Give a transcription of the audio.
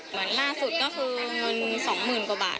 เหมือนล่าสุดก็คือเงิน๒๐๐๐กว่าบาท